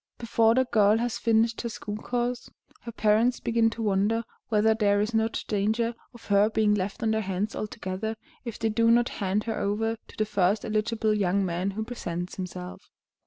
Before the girl has finished her school course, her parents begin to wonder whether there is not danger of her being left on their hands altogether, if they do not hand her over to the first eligible young man who presents himself.